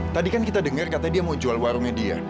tadi kan kita dengar katanya dia mau jual warungnya dia